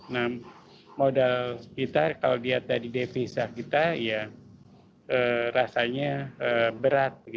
nah modal sekitar kalau dilihat dari devisa kita ya rasanya berat